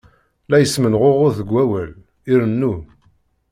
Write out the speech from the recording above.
La ismenɣuɣud deg awal, irennu.